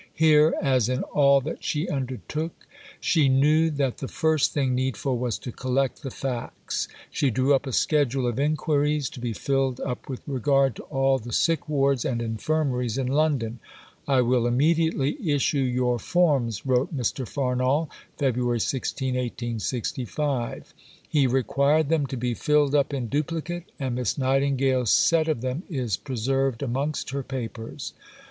Here, as in all that she undertook, she knew that the first thing needful was to collect the facts. She drew up a schedule of inquiries, to be filled up with regard to all the sick wards and infirmaries in London. "I will immediately issue your Forms," wrote Mr. Farnall (Feb. 16, 1865). He required them to be filled up in duplicate, and Miss Nightingale's set of them is preserved amongst her Papers.